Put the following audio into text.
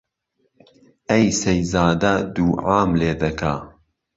ئەی سەیزادە دووعام لێ دەکا